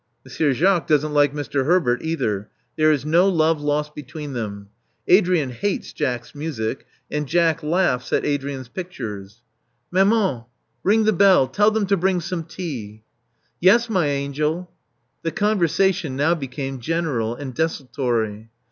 Monsieur Jacques doesn't like Mr. Herbert either. • There is no love lost between them. Adrian hates Jack's music; and Jack laughs at Adrian's pictures." Love Among the Artists 405 ''Maman: ring the bell. Tell them to bring some tea/' *'Yes, my angel.*' '*The conversation now became general and desultory.